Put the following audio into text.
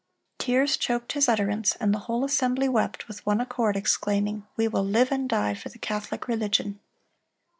Tears choked his utterance, and the whole assembly wept, with one accord exclaiming, "We will live and die for the Catholic religion!"